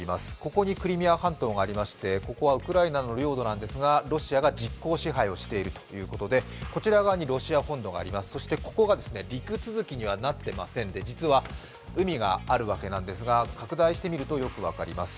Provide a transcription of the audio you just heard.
ここにクリミア半島がありましてここはウクライナの領土ですがロシアが実効支配をしているということでこちら側にロシア本土があります、そしてここが陸続きにはなってませんで実は海があるわけなんですが拡大してみるとよく分かります。